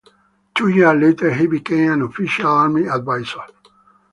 Two years later he became an unofficial army advisor.